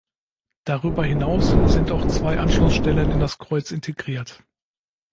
Darüber hinaus sind auch zwei Anschlussstellen in das Kreuz integriert.